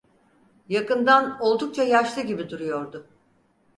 Yakından oldukça yaşlı gibi duruyordu.